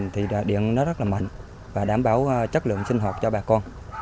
thì điện nó rất là mạnh và đảm bảo chất lượng sinh hoạt cho bà con